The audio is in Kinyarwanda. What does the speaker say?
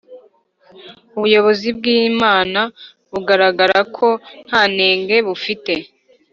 . Ubuyobozi bw’Imana buzagaragara ko nta nenge bufite